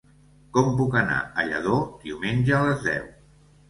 Com puc anar a Lladó diumenge a les deu?